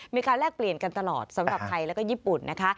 แลกเปลี่ยนกันตลอดสำหรับไทยแล้วก็ญี่ปุ่นนะคะ